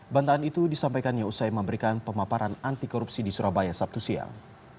bantaan itu disampaikan yusai memberikan pemaparan anti korupsi di surabaya sabtu siang